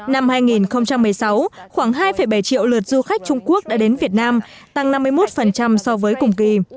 năm hai nghìn một mươi sáu khoảng hai bảy triệu lượt du khách trung quốc đã đến việt nam tăng năm mươi một so với cùng kỳ